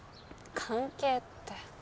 関係って。